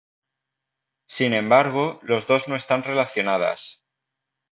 Sin embargo, los dos no están relacionadas.